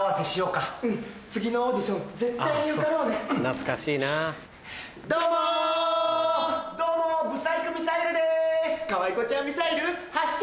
かわいこちゃんミサイル発射！